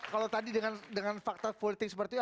kalau tadi dengan fakta politik seperti itu